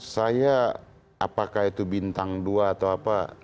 saya apakah itu bintang dua atau apa